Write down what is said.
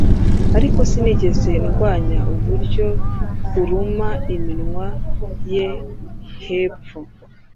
Ariko sinigeze ndwanya uburyo uruma iminwa yo hepfo